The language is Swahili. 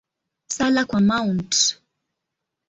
Sala kwa Mt.